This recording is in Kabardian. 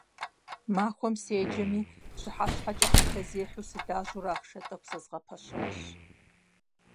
Махуэм седжэми, пщыхьэщхьэкӀэ хьэлъэзехьэу сылажьэурэ ахъшэ тӀэкӀу зэзгъэпэщащ.